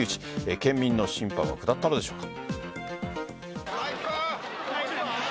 県民の審判は下ったのでしょうか。